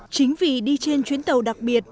chính vì đi trên chuyến tàu đặc biệt